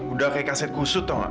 udah kayak kaset kusut atau nggak